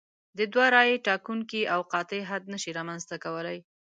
د دوی رایې ټاکونکی او قاطع حد نشي رامنځته کولای.